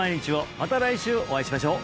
また来週お会いしましょう